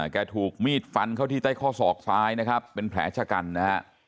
ถูกมีดฟันเข้าที่ใต้ข้อศอกซ้ายนะครับเป็นแผลชะกันนะฮะ